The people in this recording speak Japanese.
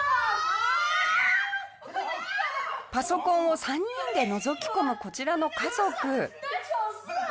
パソコンを３人でのぞき込むこちらの家族。